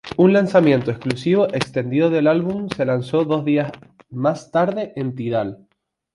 Un lanzamiento exclusivo extendido del álbum se lanzó dos días más tarde en Tidal.